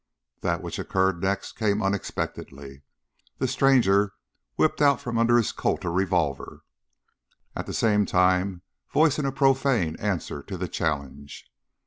That which occurred next came unexpectedly. The stranger whipped out from under his coat a revolver, at the same time voicing a profane answer to the challenge.